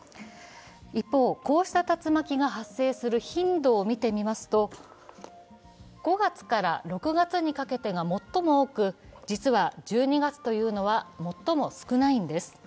一方、こうした竜巻が発生する頻度を見てみますと５月から６月にかけてが最も多く実は１２月というのは最も少ないんです。